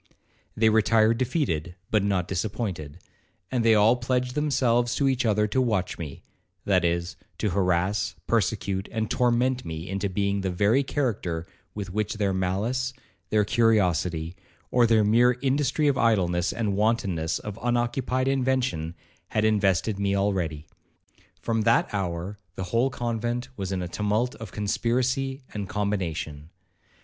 They retired defeated, but not disappointed, and they all pledged themselves to each other to watch me; that is, to harass, persecute, and torment me into being the very character with which their malice, their curiosity, or their mere industry of idleness and wantonness of unoccupied invention, had invested me already. From that hour the whole convent was in a tumult of conspiracy and combination.